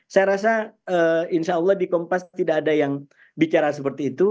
saya rasa insya allah di kompas tidak ada yang bicara seperti itu